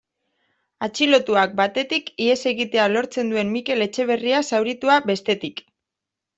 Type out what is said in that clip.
Atxilotuak, batetik, ihes egitea lortzen duen Mikel Etxeberria zauritua, bestetik.